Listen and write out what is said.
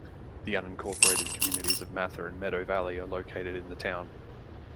The unincorporated communities of Mather and Meadow Valley are located in the town.